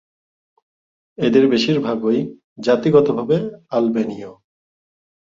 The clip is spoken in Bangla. এদের বেশিরভাগই জাতিগতভাবে আলবেনীয়।